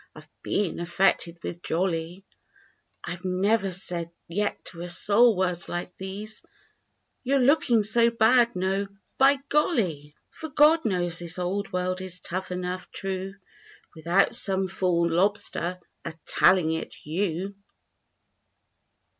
Of being affected with "jolly;" Fve never said yet to a soul, words like these— "You're looking so bad;" no, by golly! For God knows this old world is tough enough, true. Without some fool "lobster" a telling it you.